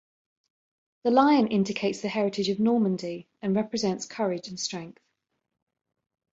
The lion indicates the heritage of Normandy and represents courage and strength.